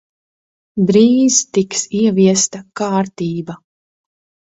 Drīz tiks ieviesta kārtība.